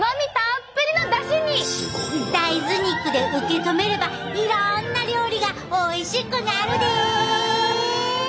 大豆肉で受け止めればいろんな料理がおいしくなるで！